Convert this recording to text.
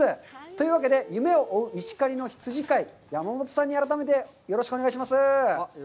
というわけで、夢を追う石狩の羊飼い、山本さんに改めて、よろしくお願いします。